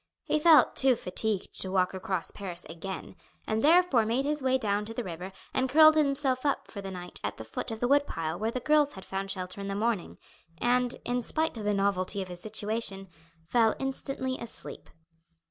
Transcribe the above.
He felt too fatigued to walk across Paris again, and therefore made his way down to the river and curled himself up for the night at the foot of the wood pile where the girls had found shelter in the morning, and, in spite of the novelty of his situation, fell instantly asleep.